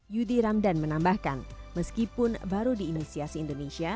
yudi ramdan menambahkan meskipun baru diinisiasi indonesia